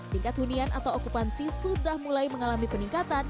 tingkat hunian atau okupansi sudah mulai mengalami peningkatan